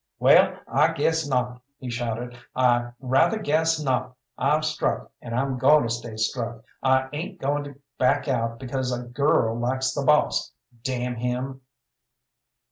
"Well, I guess not!" he shouted. "I rather guess not! I've struck, and I'm going to stay struck! I ain't goin' to back out because a girl likes the boss, damn him!"